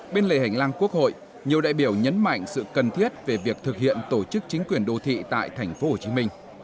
bên lề hành lang quốc hội nhiều đại biểu nhấn mạnh sự cần thiết về việc thực hiện tổ chức chính quyền đô thị tại tp hcm